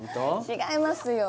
違いますよ